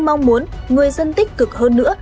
mong muốn người dân tích cực hơn nữa